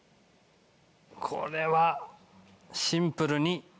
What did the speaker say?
これはシンプルに。